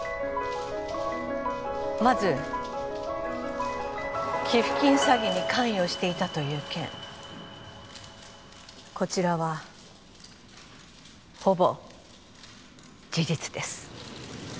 まず寄付金詐欺に関与していたという件こちらはほぼ事実です